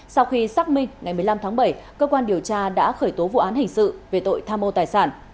sau khi xác minh ngày một mươi năm tháng bảy cơ quan điều tra đã khởi tố vụ án hình sự về tội tham mô tài sản